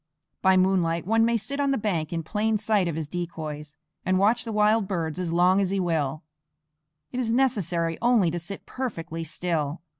By moonlight one may sit on the bank in plain sight of his decoys, and watch the wild birds as long as he will. It is necessary only to sit perfectly still.